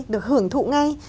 được hưởng thụ ngay